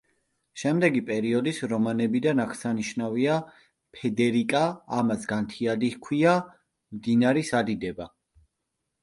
შემდეგი პერიოდის რომანებიდან აღსანიშნავია: „ფედერიკა“, „ამას განთიადი ჰქვია“, „მდინარის ადიდება“.